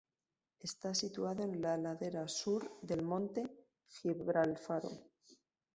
Está situado en la ladera sur del monte Gibralfaro.